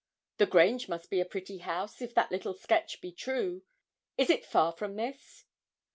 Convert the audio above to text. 'The Grange must be a pretty house, if that little sketch be true; is it far from this?'